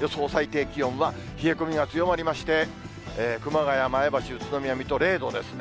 予想最低気温は冷え込みが強まりまして、熊谷、前橋、宇都宮、水戸０度ですね。